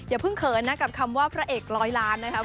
อย่าเพิ่งเขินนะกับคำว่าพระเอกร้อยล้านนะครับ